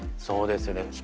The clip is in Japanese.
そうですよね。